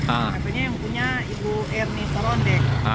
akhirnya yang punya ibu ernie torondek